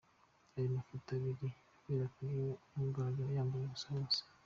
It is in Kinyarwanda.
Ayo mafoto abiri yakwirakwijwe amugaragaza yambaye ubusa hose.